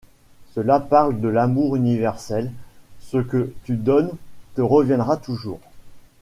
Cela parle de l'amour universel, ce que tu donnes te reviendra toujours.